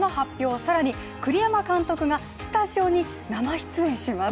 更に、栗山監督がスタジオに生出演します。